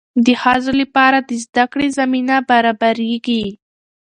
د ښځو لپاره د زده کړې زمینه برابریږي.